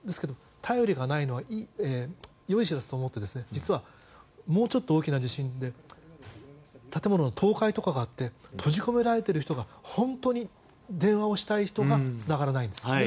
便りがないのは良い知らせだと思って実は、もうちょっと大きな地震で建物の倒壊とかあって閉じ込められている人が本当に電話をしたい人がつながらないんです。